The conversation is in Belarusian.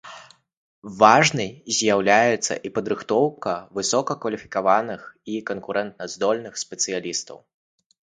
Важнай з'яўляецца і падрыхтоўка высокакваліфікаваных і канкурэнтаздольных спецыялістаў.